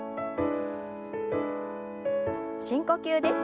深呼吸です。